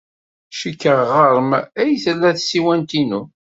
Cikkeɣ ɣer-m ay tella tsiwant-inu.